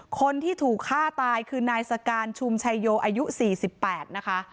คนที่ถูกฆ่าตายคือนายสการชุมชัยโยอายุ๔๘นะคะ